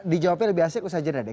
dijawabin lebih asli aku saja deh